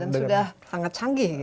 dan sudah sangat canggih